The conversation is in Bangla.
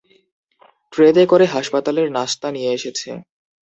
ট্রেতে করে হাসপাতালের নাশতা নিয়ে এসেছে।